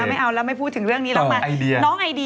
ไม่เอาแล้วไม่พูดถึงเรื่องนี้ต่อมา